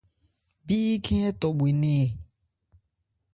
Bíkhɛ́n ɛɛ́ tɔ bhwe nɛɛn ɛ.